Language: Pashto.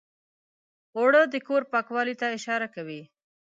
اوړه د کور پاکوالي ته اشاره کوي